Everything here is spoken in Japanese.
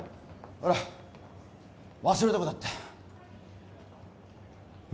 ほら忘れるとこだったよ